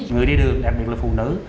người đi đường đặc biệt là phụ nữ